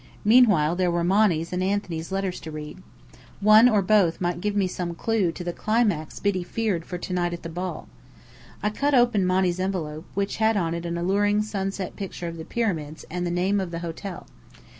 Meanwhile there were Monny's and Anthony's letters to read. One or both might give me some clue to the "climax" Biddy feared for to night at the ball. I cut open Monny's envelope, which had on it an alluring sunset picture of the Pyramids and the name of the hotel.